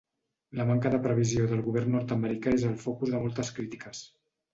La manca de previsió del govern nord-americà és al focus de moltes crítiques.